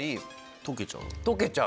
溶けちゃう？